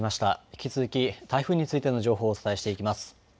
引き続き台風についての情報をお伝えしていきます。